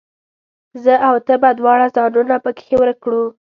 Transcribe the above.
زه او ته به دواړه ځانونه پکښې ورک کړو